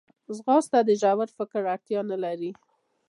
ځغاسته د ژور فکر اړتیا نه لري